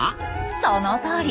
そのとおり！